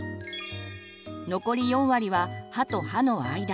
残り４割は歯と歯の間。